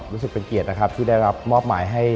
รู้สึกเป็นเกียรตินะครับที่ได้รับมอบหมายให้